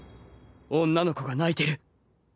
女の子が泣いてる。